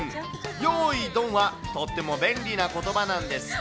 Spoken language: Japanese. よーい、とっても便利なことばなんですって。